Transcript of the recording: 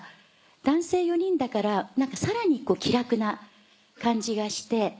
男性４人だからさらに気楽な感じがして。